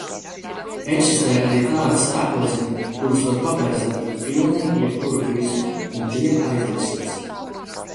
Eksistē arī tādi sērkociņi, kurus var paberzēt pret pilnīgi jebkuru virsmu, un tie aizdegsies.